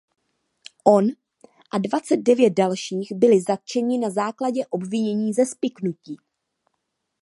On a dvacet devět dalších byli zatčeni na základě obvinění ze spiknutí.